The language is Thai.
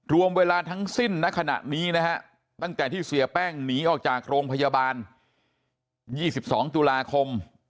รวมเวลาทั้งสิ้นณขณะนี้นะฮะตั้งแต่ที่เสียแป้งหนีออกจากโรงพยาบาล๒๒ตุลาคม